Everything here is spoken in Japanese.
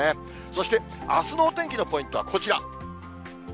そして、あすのお天気のポイントはこちら。